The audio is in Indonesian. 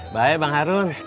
baik bang harun